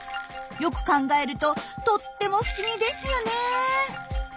よく考えるととっても不思議ですよね。